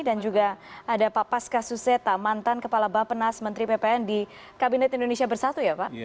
dan juga ada pak paska suseta mantan kepala bapak penas menteri ppn di kabinet indonesia bersatu ya pak